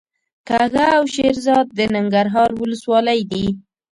کږه او شیرزاد د ننګرهار ولسوالۍ دي.